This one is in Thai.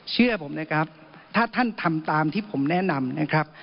เชื่อผมนะครับถ้าท่านทำตามที่ผมแนะนำนะครับ